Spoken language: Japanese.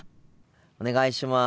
お願いします。